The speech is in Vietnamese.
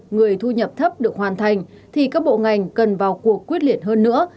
người thu nhập thấp được hoàn thành thì các bộ ngành cần vào cuộc quyết liệt hơn nữa